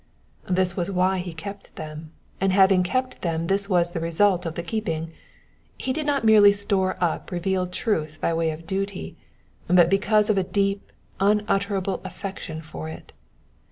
'''' This was why he kept them, and having kept thtm this was the result of the keeping. Hn did not merely si ore up revealed truth by way of duty, but because of a deep, unutterable affection for it.